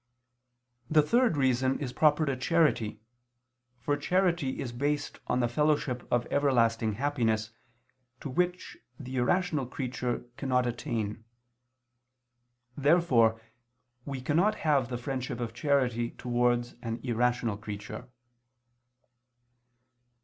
The third reason is proper to charity, for charity is based on the fellowship of everlasting happiness, to which the irrational creature cannot attain. Therefore we cannot have the friendship of charity towards an irrational creature.